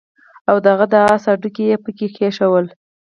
او د هغه د آس هډوکي يې پکي کېښودل